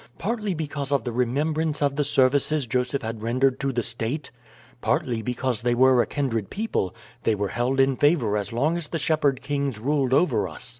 Partly because of the remembrance of the services Joseph had rendered to the state, partly because they were a kindred people, they were held in favor as long as the shepherd kings ruled over us.